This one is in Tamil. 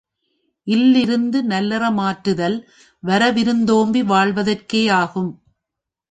இல்லிருந்து நல்லறமாற்றுதல், வருவிருந் தோம்பி வாழ்வதற்கேயாகும்.